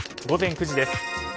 午前９時です。